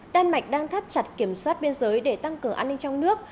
đan mạch đang thắt chặt kiểm soát biên giới để tăng cường an ninh trong nước